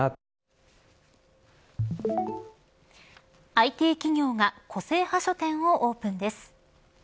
ＩＴ企業が個性派書店をオープンです。